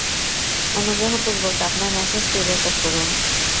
অনুগ্রহপূর্বক আপনার ম্যাসেজটি রেকর্ড করুন।